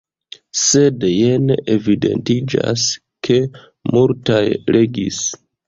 Sed jen evidentiĝas, ke multaj legis.